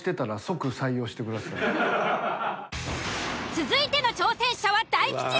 続いての挑戦者は大吉さん。